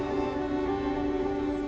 jadi kita bisa lihat